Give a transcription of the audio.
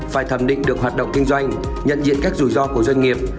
phải thẩm định được hoạt động kinh doanh nhận diện các rủi ro của doanh nghiệp